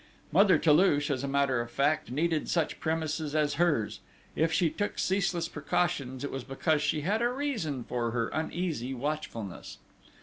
Mother Toulouche, as a matter of fact, needed such premises as hers: if she took ceaseless precautions it was because she had a reason for her uneasy watchfulness.